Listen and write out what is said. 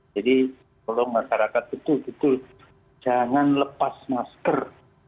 jadi tolong masyarakat betul betul jangan lepas masker